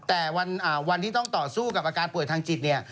แต่วันที่ต้องต่อสู้กับอาการป่วยทางจิตเนี่ย